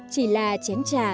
chỉ là chén trà